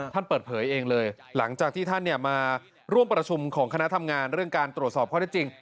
ท่านเปิดเผยเองเลยหลังจากที่ท่านมาร่วมประชุมของคณะทำงานเรื่องการตรวจสอบข้อได้จริง